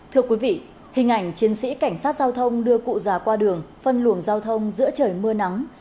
thưa quý vị hình ảnh chiến sĩ cảnh sát giao thông đưa cụ già qua đường phân luồng giao thông giữa trời mưa nắng